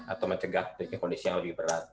atau mencegah kondisi yang lebih berat